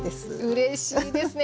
うれしいですね。